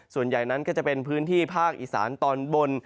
ส่วนใหญ่นั้นก็จะเป็นพื้นที่ภาคอีสานตอนบน